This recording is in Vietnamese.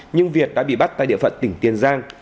nhưng việt đã bị bắt tại địa phận tỉnh tiền giang